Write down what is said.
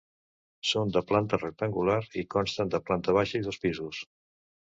Són de planta rectangular i consten de planta baixa i dos pisos.